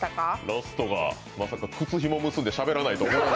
ラストがまさか靴ひも結んでしゃべらないとは。